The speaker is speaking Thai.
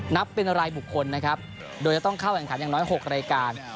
นับเป็นรายบุคคลนะครับโดยจะต้องเข้าแข่งขันอย่างน้อย๖รายการ